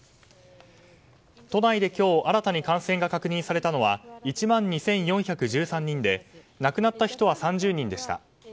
都内で今日新たに感染が確認されたのは１万２４１３人で亡くなった人は３０人でした。